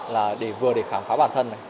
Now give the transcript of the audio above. là để vừa để khám phá bản thân này